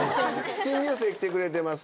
新入生来てくれてます